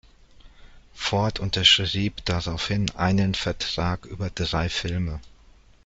Ford unterschrieb daraufhin einen Vertrag über drei Filme.